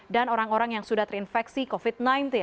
dan orang orang yang sudah terinfeksi covid sembilan belas